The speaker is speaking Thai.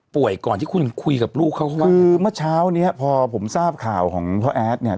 ก่อนที่คุณคุยกับลูกเขาเข้ามาคือเมื่อเช้านี้พอผมทราบข่าวของพ่อแอดเนี่ย